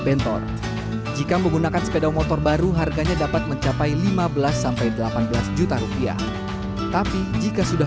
bentor jika menggunakan sepeda motor baru harganya dapat mencapai lima belas sampai delapan belas juta rupiah tapi jika sudah